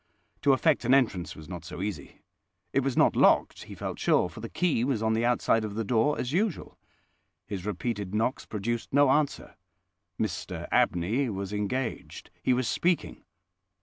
To effect an entrance was not so easy. It was not locked, he felt sure, for the key was on the outside of the door as usual. His repeated knocks produced no answer. Mr Abney was engaged: he was speaking.